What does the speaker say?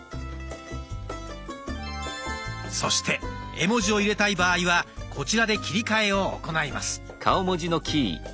そして絵文字を入れたい場合はこちらで切り替えを行います。